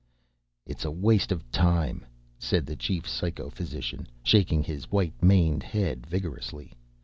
"It is a waste of time," said the chief psychophysician, shaking his white maned head vigorously.